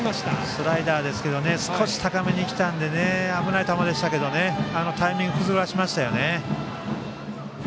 スライダーですが少し高めに来たので危ない球でしたけどタイミングを崩せましたね。